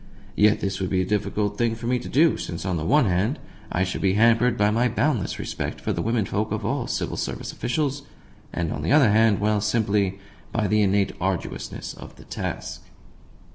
Yet this would be a difficult thing for me to do, since, on the one hand, I should be hampered by my boundless respect for the womenfolk of all Civil Service officials, and, on the other hand well, simply by the innate arduousness of the task.